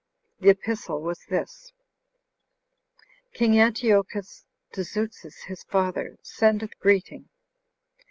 The epistle was this: King Antiochus To Zeuxis His Father, Sendeth Greeting.